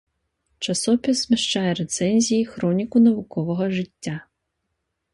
Часопіс змяшчае рэцэнзіі, хроніку навуковага жыцця.